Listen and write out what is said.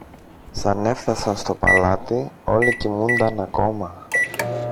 Σαν έφθασαν στο παλάτι, όλοι κοιμούνταν ακόμα.